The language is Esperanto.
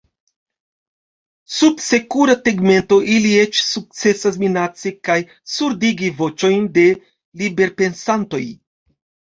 Sub sekura tegmento ili eĉ sukcesas minaci kaj surdigi voĉojn de liberpensantoj.